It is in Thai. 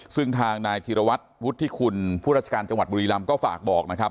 ซึ่งทางนายธิรวัตรวุฒิคุณผู้ราชการจังหวัดบุรีรำก็ฝากบอกนะครับ